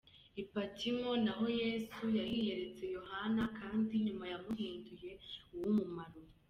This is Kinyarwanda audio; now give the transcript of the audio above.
I Patimo naho Yesu yahiyeretse Yohana kandi nyuma yamuhinduye uw’umumaro.